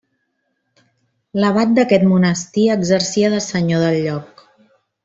L'abat d'aquest monestir exercia de senyor del lloc.